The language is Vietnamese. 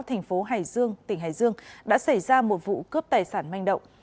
thành phố hải dương tỉnh hải dương đã xảy ra một vụ cướp tài sản manh động